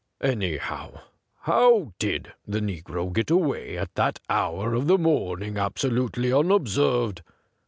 Anyhow, how did the negro get away at that hour of the morn ing absolutely unobserved